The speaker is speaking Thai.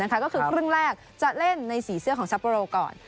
ก็คือครึ่งแรกจะเล่นในสีเสื้อของซัปโปโรก่อน